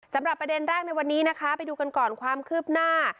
ประเด็นแรกในวันนี้นะคะไปดูกันก่อนความคืบหน้า